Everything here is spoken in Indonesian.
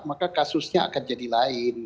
maka kasusnya akan jadi lain